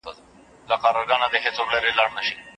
که څوک برید وکړي شاه شجاع به یې مخه نیسي.